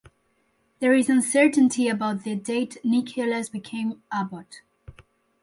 There is uncertainty about the date Nicolas became abbot.